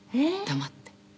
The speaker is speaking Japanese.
黙って。